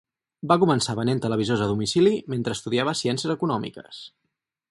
Va començar venent televisors a domicili mentre estudiava ciències econòmiques.